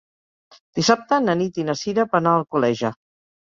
Dissabte na Nit i na Cira van a Alcoleja.